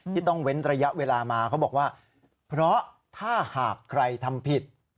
ที่ต้องเว้นระยะเวลามาเขาบอกว่าเพราะถ้าหากใครทำผิด